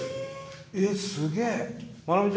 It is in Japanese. えすげえ。